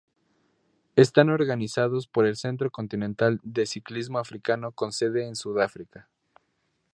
Están organizados por el Centro Continental de Ciclismo Africano con sede en Sudáfrica.